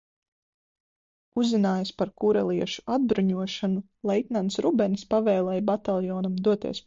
Uzzinājis par kureliešu atbruņošanu, leitnants Rubenis pavēlēja bataljonam doties pārgājienā.